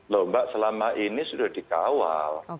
loh mbak selama ini sudah dikawal